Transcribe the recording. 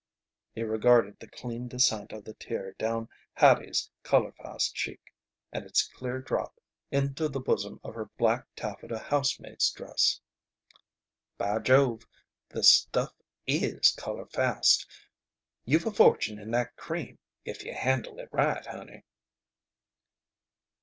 He regarded the clean descent of the tear down Hattie's color fast cheek and its clear drop into the bosom of her black taffeta housemaid's dress. "By Jove! The stuff is color fast! You've a fortune in that cream if you handle it right, honey."